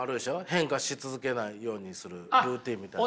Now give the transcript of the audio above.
変化し続けないようにするルーティーンみたいなね。